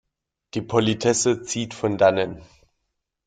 Die Politesse zieht von Dannen.